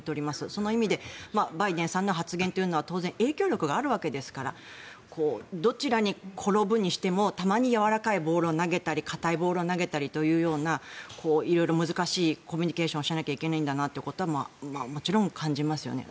その意味でバイデンさんの発言というのは当然影響力があるわけですからどちらに転ぶにしてもたまにやわらかいボールを投げたり硬いボールを投げたりという色々難しいコミュニケーションをしなきゃいけないんだなということをもちろん感じますね。